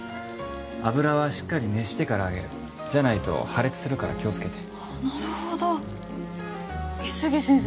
油はしっかり熱してから揚げるじゃないと破裂するから気をつけてなるほど来生先生